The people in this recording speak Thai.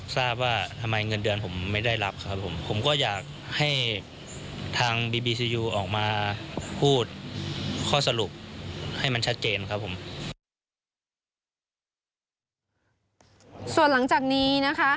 ส่วนหลังจากนี้นะคะ